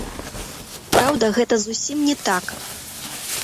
Праўда, гэта зусім не так.